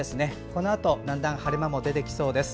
このあとだんだん晴れ間も出てきそうです。